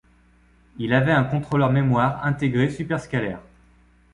Il avait un contrôleur mémoire intégré superscalaire.